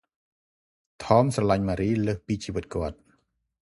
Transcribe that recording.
ថម ស្រលាញ់ ម៉ារី លើសពីជីវិតគាត់ ។